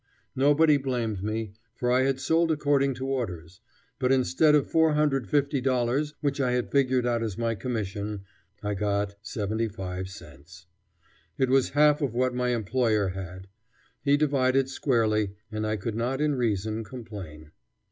Nobody blamed me, for I had sold according to orders; but instead of $450 which I had figured out as my commission, I got seventy five cents. It was half of what my employer had. He divided squarely, and I could not in reason complain.